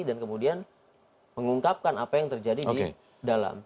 dan kemudian mengungkapkan apa yang terjadi di dalam